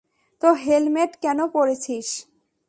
তো হেলমেট কেন পড়েছিস?